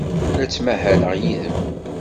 La ttmahaleɣ yid-m.